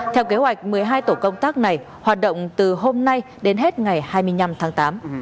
theo kế hoạch một mươi hai tổ công tác này hoạt động từ hôm nay đến hết ngày hai mươi năm tháng tám